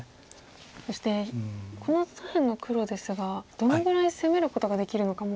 そしてこの左辺の黒ですがどのぐらい攻めることができるのかも。